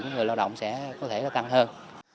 người lao động sẽ có thể tăng hơn